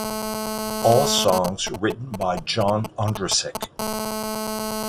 All songs written by John Ondrasik.